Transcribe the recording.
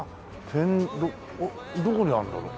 天丼どこにあるんだろう？